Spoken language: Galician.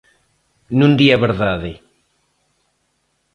Non di a verdade.